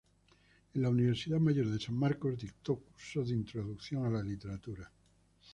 En la Universidad Mayor de San Marcos dictó cursos de Introducción a la Literatura.